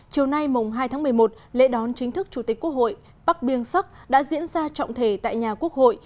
chiều nay mùng hai tháng một mươi một lễ đón chính thức chủ tịch quốc hội bắc biêng sắc đã diễn ra trọng thể tại nhà quốc hội